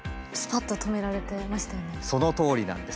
そのとおりなんです。